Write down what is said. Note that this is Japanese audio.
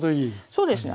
そうですね。